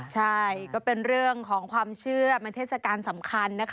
ใช่ก็เป็นเรื่องของความเชื่อเป็นเทศกาลสำคัญนะคะ